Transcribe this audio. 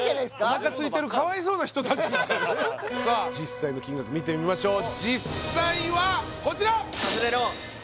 おなかすいてるかわいそうな人達さあ実際の金額みてみましょう実際はこちら！